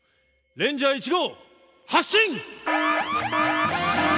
レンジャー１号発進！